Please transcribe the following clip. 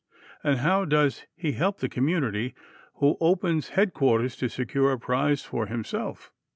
And how does he help the community who opens headquarters to secure a prize for himself?